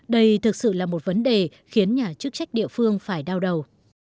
đây thực sự là một vấn đề khiến nhà chức trách địa phương phải đau đầu